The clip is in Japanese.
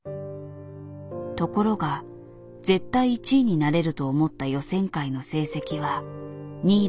ところが絶対１位になれると思った予選会の成績は２位だった。